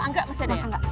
angga masih ada ya